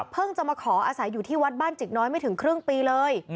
จะมาขออาศัยอยู่ที่วัดบ้านจิกน้อยไม่ถึงครึ่งปีเลย